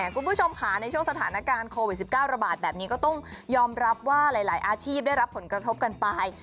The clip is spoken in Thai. คุณผู้ชมค่ะในช่วงสถานการณ์โควิด๑๙ระบาดแบบนี้ก็ต้องยอมรับว่าหลายอาชีพได้รับผลกระทบกันไป